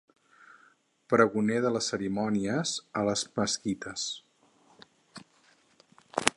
Pregoner de les cerimònies a les mesquites.